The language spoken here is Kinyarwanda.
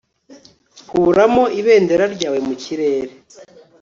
kuramo ibendera ryawe mu kirere